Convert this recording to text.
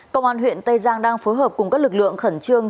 công an huyện tây giang đang phối hợp cùng các lực lượng khẩn trương